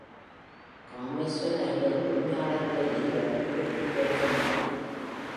காமேஸ்வர ஐயர் உரிமையாளர்களில் இருவர் ஊருக்குப் போய்ச்சேர்ந்தார்கள்.